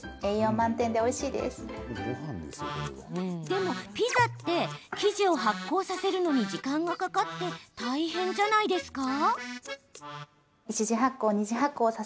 でも、ピザって生地を発酵させるのに時間がかかって大変じゃないですか？